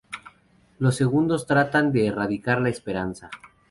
Los segundos tratan de erradicar la esperanza.